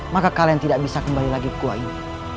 maka kalian tidak bisa kembali lagi ke gua ini